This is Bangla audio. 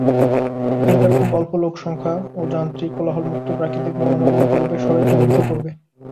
এখানকার খুব অল্প লোকসংখ্যা ও যান্ত্রিক কোলাহল মুক্ত প্রাকৃতিক মনোরম পরিবেশ সবাইকে মুগ্ধ করবে।